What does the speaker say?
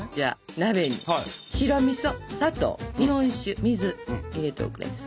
鍋に白みそ砂糖日本酒水入れておくれやす。